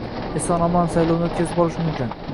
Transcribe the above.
eson-omon saylovni o‘tkazib olish mumkin